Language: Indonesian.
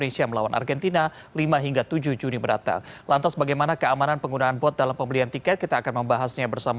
sama sama sehat ya